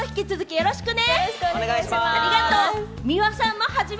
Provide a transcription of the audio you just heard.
よろしくね。